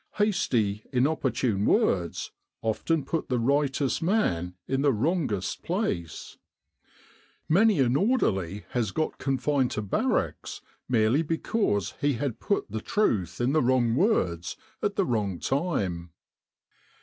Hasty inopportune words often put the Tightest man in the wrongest place. Many an orderly has got C.B. merely because he had put the truth in the wrong words at the wrong time.